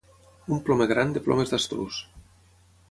Un plomer gran de plomes d'estruç.